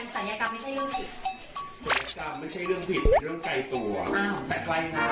ศัลยากรรมไม่ใช่เรื่องผิดเรื่องไกลตัวแต่ไกลน้ำ